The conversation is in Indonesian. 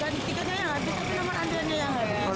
iya jadi bukan tiketnya yang habis tapi nomor antreannya yang habis